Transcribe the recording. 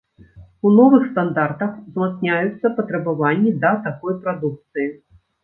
У новых стандартах узмацняюцца патрабаванні да такой прадукцыі.